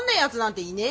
いいねえ。